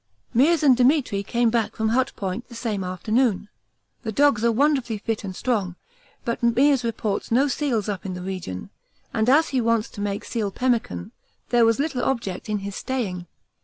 Meares and Demetri came back from Hut Point the same afternoon the dogs are wonderfully fit and strong, but Meares reports no seals up in the region, and as he went to make seal pemmican, there was little object in his staying.